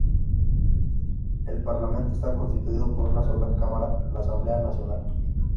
El parlamento está constituido por una sola cámara, la Asamblea nacional.